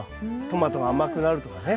トマトが甘くなるとかね